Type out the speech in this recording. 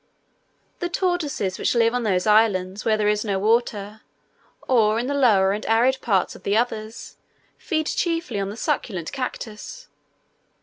The tortoises which live on those islands where there is no water, or in the lower and arid parts of the others, feed chiefly on the succulent cactus.